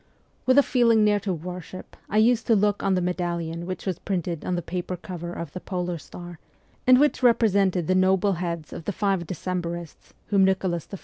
"With a feeling near to worship I used to look on the medallion which was printed on the paper cover of ' The Polar Star,' and which represented the noble heads of the five ' Decembrists ' whom Nicholas I.